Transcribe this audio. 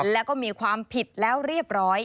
แล้วก็มีความผิดแล้วเรียบร้อย